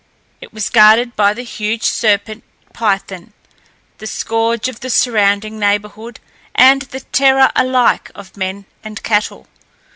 It was guarded by the huge serpent Python, the scourge of the surrounding neighbourhood, and the terror alike of men and cattle.